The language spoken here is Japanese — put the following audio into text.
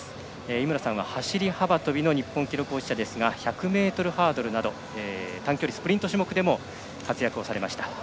井村さんは走り幅跳びの日本記録保持者ですが１００ｍハードルなど短距離スプリント種目でも活躍されました。